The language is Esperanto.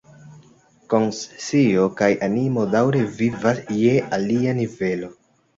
Konscio kaj animo daŭre vivas je alia nivelo.